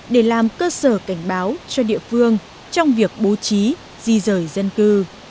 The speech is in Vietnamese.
để làm cơ sở cảnh báo cho địa phương trong việc bố trí di rời dân cư